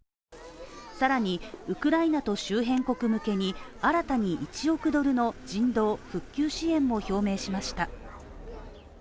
さらにウクライナと周辺国向けに新たに１億ドルの人道復旧支援も表明しました。